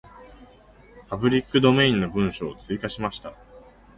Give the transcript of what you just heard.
パブリックドメインの文章を追加しました。